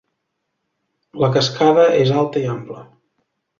La cascada és alta i ampla.